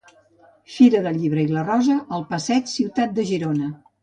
Fira del Llibre i la Rosa al passeig Ciutat de Girona.